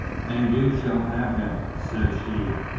"And you shall have him," said she.